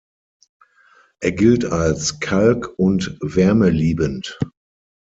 Er gilt als kalk- und wärmeliebend.